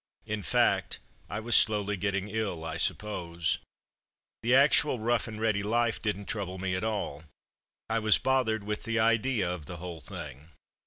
In fact, I was slowly getting ill, I suppose. The actual rough and ready life didn't trouble me at all. I was bothered with the idea of the whole thing.